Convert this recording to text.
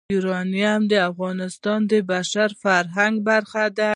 یورانیم د افغانستان د بشري فرهنګ برخه ده.